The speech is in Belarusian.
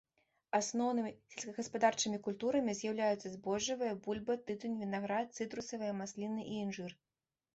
Асноўнымі сельскагаспадарчымі культурамі з'яўляюцца збожжавыя, бульба, тытунь, вінаград, цытрусавыя, масліны і інжыр.